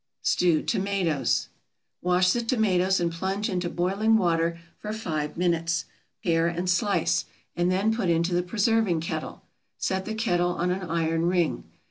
STEWED TOMATOES. Wash the tomatoes and plunge into boiling water for five minutes. Pare and slice, and then put into the preserving kettle; set the kettle on an iron ring.